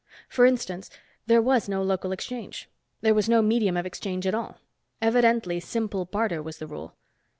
For instance, there was no local exchange. There was no medium of exchange at all. Evidently simple barter was the rule.